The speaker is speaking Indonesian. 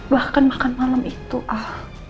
bahkan makan malam itu ah